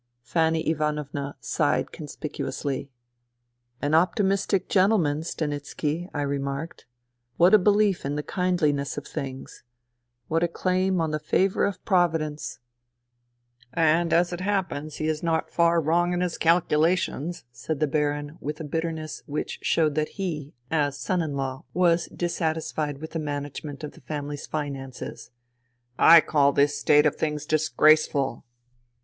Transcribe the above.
Fanny Ivanovna sighed conspicuously. " An optimistic gentleman — Stanitski," I remarked. " What a belief in the kindliness of things I What a claim on the favour of Providence 1 "" And, as it happens, he is not far wrong in his calculations, said the Baron with a bitterness which showed that he, as son in law, was dissatisfied with the management of the family's finances. " I call this state of things disgraceful.